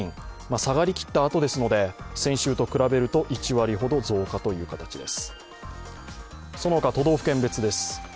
下がりきったあとですので先週と比べると１割ほど増加です。